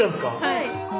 はい。